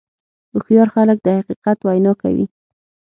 هوښیار خلک د حقیقت وینا کوي.